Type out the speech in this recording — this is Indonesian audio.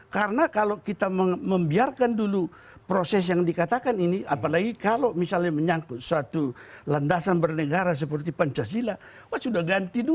karena kalau kita membiarkan dulu proses yang dikatakan ini apalagi kalau misalnya menyangkut suatu landasan bernegara seperti pancasila wah sudah ganti dulu itu